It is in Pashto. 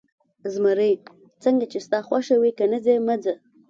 زمري: څنګه چې ستا خوښه وي، که نه ځې، مه ځه.